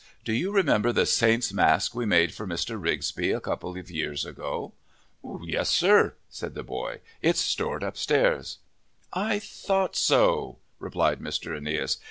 Do you remember the saint's mask we made for Mr. Ripsby, a couple of years ago?" "Yes, sir," said the boy. "It's stored upstairs." "I thought so," replied Mr. Aeneas. "Mr.